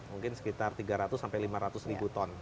mungkin sekitar tiga ratus sampai lima ratus ribu ton